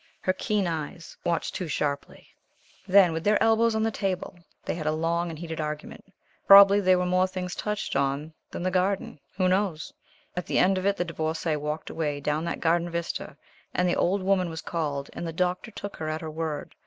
Her keen eyes watched too sharply. Then, with their elbows on the table, they had a long and heated argument. Probably there were more things touched on than the garden. Who knows? At the end of it the Divorcée walked away down that garden vista, and the old woman was called and the Doctor took her at her word.